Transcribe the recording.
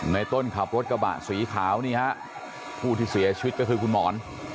ในต้นขับรถกระบะสีขาวนี่ฮะผู้ที่เสียชีวิตก็คือคุณหมอน